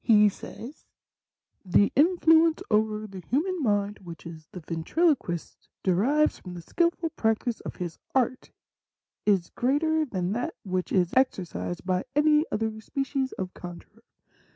He says, 'The influence over the human mind which the Ventriloquist derives from the skilful practice of his art is greater than that which is exercised by any other species of con jurer.